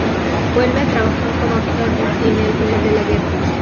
Vuelve a trabajar como actor de cine al final de la guerra.